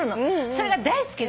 それが大好きで。